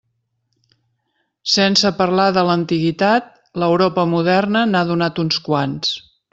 Sense parlar de l'antiguitat, l'Europa moderna n'ha donat uns quants.